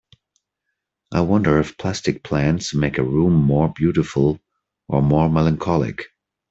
I wonder if plastic plants make a room more beautiful or more melancholic.